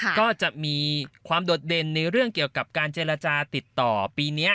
ก็จะมีความโดดเด่นในเรื่องเกี่ยวกับการเจรจาติดต่อปีนี้